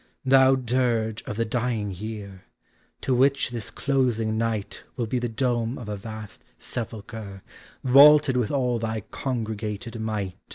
Thou dirge Of the dying year, to which this closing night Will be the dome of a vast sepulchre Vaulted with all thy congregated might.